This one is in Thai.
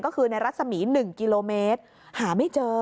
ก็คือในรัศมี๑กิโลเมตรหาไม่เจอ